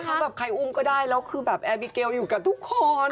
เขาแบบใครอุ้มก็ได้แล้วคือแบบแอร์บิเกลอยู่กับทุกคน